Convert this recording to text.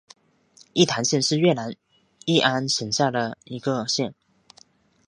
义坛县是越南乂安省下辖的一个县。